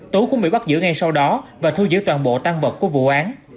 tú cũng bị bắt giữ ngay sau đó và thu giữ toàn bộ tan vật của vụ án